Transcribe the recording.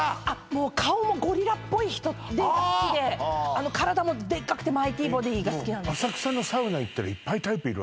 もう顔もゴリラっぽい人好きで体もでっかくてマイティボディが好きなんです